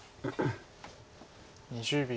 ２０秒。